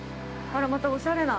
あれ、またおしゃれな。